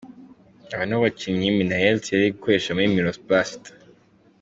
Aba nibo bakinnyi Minnaert yari gukoresha kuri Miroplast.